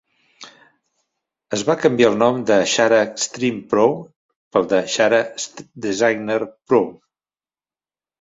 Es va canviar el nom de "Xara Xtreme Pro" pel de "Xara Designer Pro".